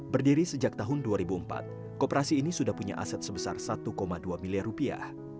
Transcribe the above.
berdiri sejak tahun dua ribu empat kooperasi ini sudah punya aset sebesar satu dua miliar rupiah